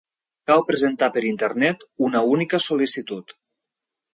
Cal presentar, per Internet, una única sol·licitud.